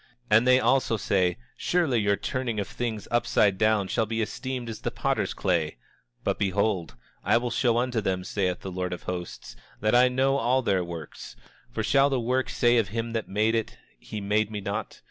And they also say: Surely, your turning of things upside down shall be esteemed as the potter's clay. But behold, I will show unto them, saith the Lord of Hosts, that I know all their works. For shall the work say of him that made it, he made me not?